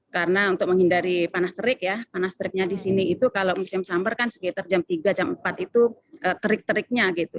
karena untuk menghindari panas terik ya panas teriknya di sini itu kalau musim summer kan sekitar jam tiga jam empat itu terik teriknya gitu